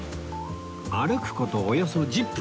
歩く事およそ１０分